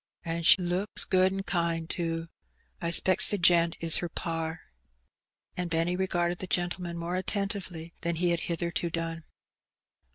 '/An' she looks good an' kind, too. I specks the gent is her par.'' And Benny regarded the gentleman more attentively than he had hitherto done.